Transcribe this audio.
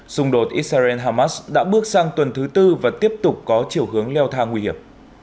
xung đột israel hamas đã bước sang tuần thứ tư và tiếp tục có chiều hướng leo thang nguy hiểm